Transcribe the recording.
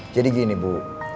jadi gini bu